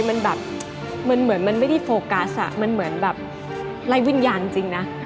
มันเหมือนมันไม่ได้โฟกัสอ่ะมันเหมือนแบบแร่วิญญาณจริงนะ